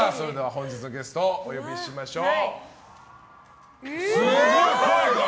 本日のゲスト、お呼びしましょう。